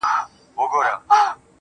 له دې تعریف څخه ښکاري